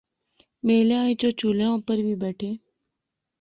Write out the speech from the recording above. میلے اچ اوہ چُہولیاں اوپر وی بیٹھے